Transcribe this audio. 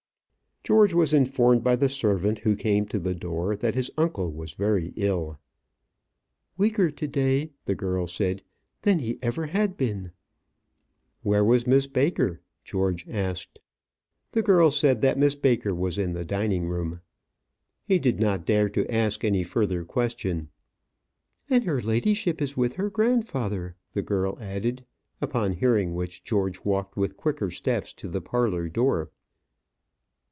George was informed by the servant who came to the door that his uncle was very ill. "Weaker to day," the girl said, "than ever he had been." "Where was Miss Baker?" George asked. The girl said that Miss Baker was in the dining room. He did not dare to ask any further question. "And her ladyship is with her grandfather," the girl added; upon hearing which George walked with quicker steps to the parlour door.